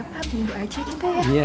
iya pak bingung aja kita ya